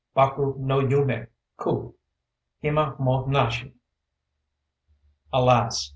Baku no yumé k≈´ Hima mo nashi! "Alas!